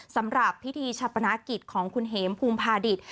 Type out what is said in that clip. สำหรับพิธีชะปนากิจของคุณเห็มภูมิภาดิต